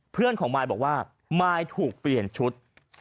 เพื่อนของมายบอกว่ามายถูกเปลี่ยนชุด